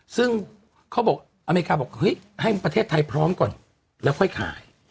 ซึ่งเขาบอกอเมริกาบอกเฮ้ยให้ประเทศไทยพร้อมก่อนแล้วค่อยขาย